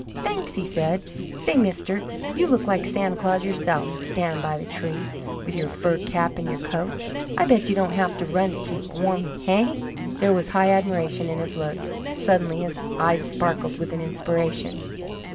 "Thanks," he said. "Say, mister, you look like Santa Claus yourself, standin' by the tree, with your fur cap and your coat. I bet you don't have to run to keep warm, hey?" There was high admiration in his look. Suddenly his eyes sparkled with an inspiration.